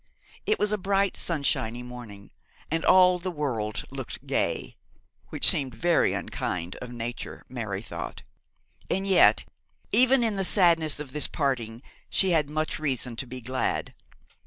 It was a bright sunshiny morning, and all the world looked gay; which seemed very unkind of Nature, Mary thought. And yet, even in the sadness of this parting, she had much reason to be glad.